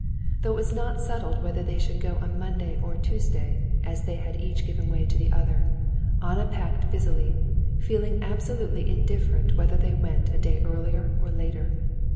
Though it was not settled whether they should go on Monday or Tuesday, as they had each given way to the other, Anna packed busily, feeling absolutely indifferent whether they went a day earlier or later.